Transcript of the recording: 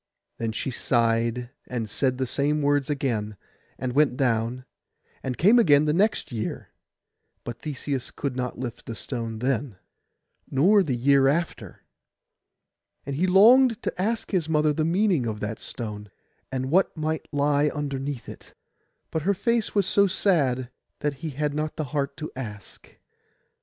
Then she sighed, and said the same words again, and went down, and came again the next year; but Theseus could not lift the stone then, nor the year after; and he longed to ask his mother the meaning of that stone, and what might lie underneath it; but her face was so sad that he had not the heart to ask.